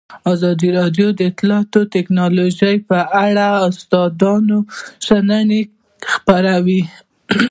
ازادي راډیو د اطلاعاتی تکنالوژي په اړه د استادانو شننې خپرې کړي.